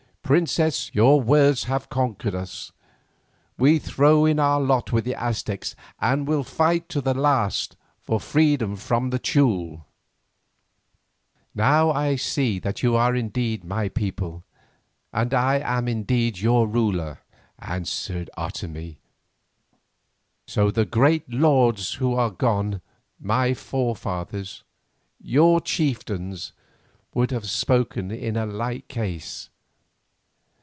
Princess, your words have conquered us. We throw in our lot with the Aztecs and will fight to the last for freedom from the Teule." "Now I see that you are indeed my people, and I am indeed your ruler," answered Otomie. "So the great lords who are gone, my forefathers, your chieftains, would have spoken in a like case.